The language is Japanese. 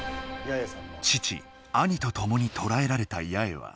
父兄と共に捕らえられた八重は。